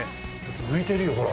浮いてるよほら。